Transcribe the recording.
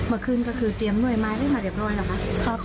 วันคืนก็คือเตรียมหน่วยไม้ได้มาเรียบร้อยหร